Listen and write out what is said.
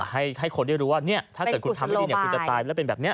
ให้คนได้รู้ว่าถ้าเกิดคุณทำไม่ดีคุณจะตายแล้วเป็นแบบนี้